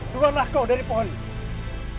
dua lah kau dari pohon ini